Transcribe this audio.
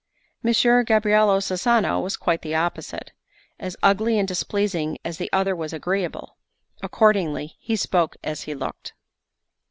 Messer Gabriello Cesano was quite the opposite, as ugly and displeasing as the other was agreeable; accordingly he spoke as he looked.